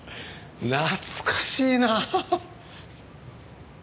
懐かしいなあ！